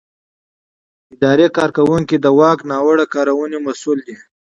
اداري کارکوونکی د واک ناوړه کارونې مسؤل دی.